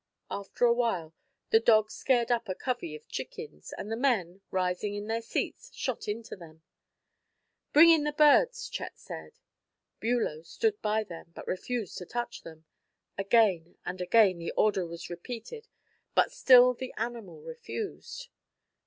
After a while the dog scared up a covey of chickens, and the men rising in their seats shot into them. "Bring in the birds," Chet said. Bulow stood by them, but refused to touch them. Again and again the order was repeated, but still the animal refused.